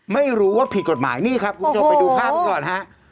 ไม่รู้ว่าผิดกฎหมายนี่ครับคุณผู้ชมไปดูภาพกันก่อนฮะ